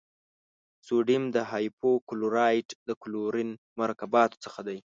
سوډیم هایپو کلورایټ د کلورین مرکباتو څخه دی.